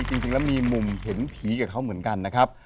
จริงแล้วมีมุมเห็นผีกับเขาเหมือนกันนะครับ